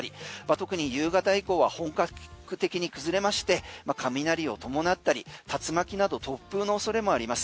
特に夕方以降は本格的に崩れまして雷を伴ったり、竜巻など突風のおそれもあります。